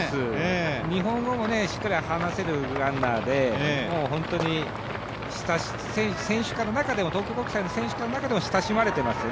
日本語もしっかり話せるランナーで本当に、東京国際大学の選手の中でも親しまれてますよね。